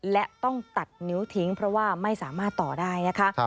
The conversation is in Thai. และต้องตัดนิ้วทิ้งเพราะว่าไม่สามารถต่อได้นะคะ